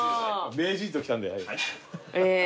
名人ときたんで。